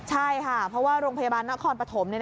ใช่ค่ะเพราะว่าโรงพยาบาลนครปฐม